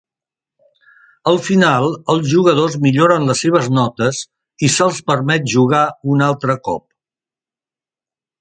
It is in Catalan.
Al final, els jugadors milloren les seves notes i se'ls permet jugar un altre cop.